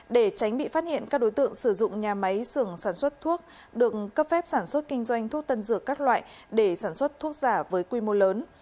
để tránh bị phát hiện các đối tượng sử dụng nhà máy sưởng sản xuất thuốc được cấp phép sản xuất kinh doanh thuốc tân dược các loại để sản xuất thuốc giả với quy mô lớn